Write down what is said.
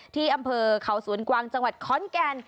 ที่อำเภอเขาสวนกวางจังหวัดขอนแก่น